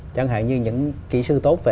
chẳng hạn như những kỹ sư tốt về